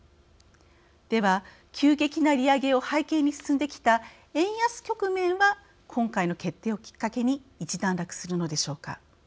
では、急激な利上げを背景に進んできた円安局面は今回の決定をきっかけに一段落するのでしょうか。